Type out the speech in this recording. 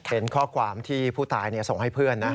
เป็นข้อความที่ผู้ตายส่งให้เพื่อนนะ